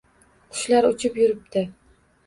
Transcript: Qushlar uchib yuribdi.